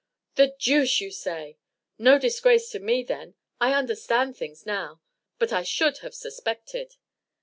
"The deuce you say! No disgrace to me then. I understand things now. But I should have suspected."